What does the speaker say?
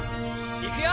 いくよ！